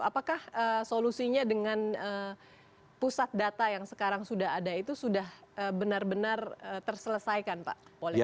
apakah solusinya dengan pusat data yang sekarang sudah ada itu sudah benar benar terselesaikan pak